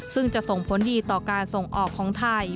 ซึ่งจะส่งผลดีต่อการส่งออกของไทย